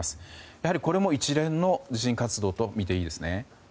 やはりこれも一連の地震活動とみていいですね。